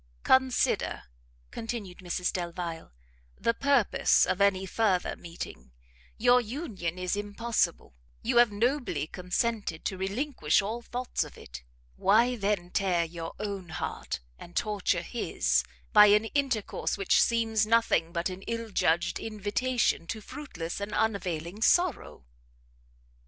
"Consider," continued Mrs Delvile, "the purpose of any further meeting; your union is impossible, you have nobly consented to relinquish all thoughts of it why then tear your own heart, and torture his, by an intercourse which seems nothing but an ill judged invitation to fruitless and unavailing sorrow?"